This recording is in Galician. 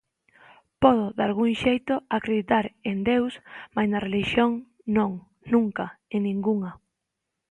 Podo, dalgún xeito, acreditar en Deus, mais na relixión, non, nunca, en ningunha